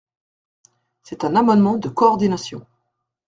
C’est un amendement de coordination.